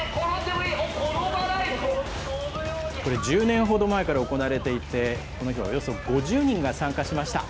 これ、１０年ほど前から行われていて、この日はおよそ５０人が参加しました。